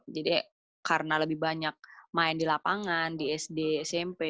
jadi karena lebih banyak main di lapangan di sd smp